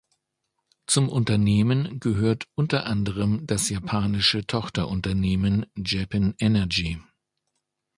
Zum Unternehmen gehört unter anderem das japanische Tochterunternehmen Japan Energy.